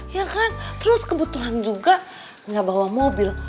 ya kan terus kebetulan juga nggak bawa mobil